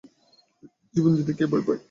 জীবন দিতে কে ভয় পায়।